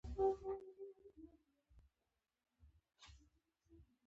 د افغانستان ځنګلونه په ډیره بیرحمۍ